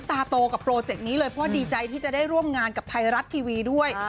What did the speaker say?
ตาโตกับโปรเจกต์นี้เลยเพราะว่าดีใจที่จะได้ร่วมงานกับไทยรัฐทีวีด้วย